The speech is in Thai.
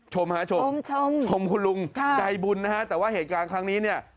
ชมชมคุณลุงใจบุญนะฮะแต่ว่าเหตุการณ์ครั้งนี้เนี่ย